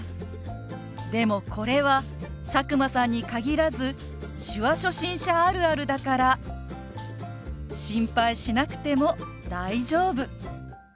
でもこれは佐久間さんに限らず手話初心者あるあるだから心配しなくても大丈夫。